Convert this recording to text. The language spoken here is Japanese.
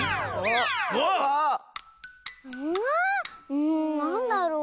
うんなんだろう？